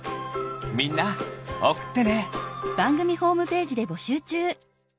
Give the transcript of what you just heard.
みんなおくってね。